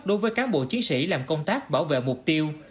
đối với cán bộ chiến sĩ làm công tác bảo vệ mục tiêu